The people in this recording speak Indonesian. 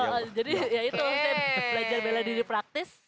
belajar bela diri praktis